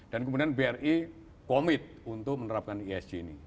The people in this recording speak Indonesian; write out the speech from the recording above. dan kemudian bri commit untuk menerapkan isg ini